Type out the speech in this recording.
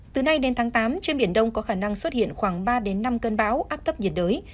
từ nay đến tháng tám trên biển đông có khả năng xuất hiện khoảng ba đến năm cơn bão áp thấp nhiệt đới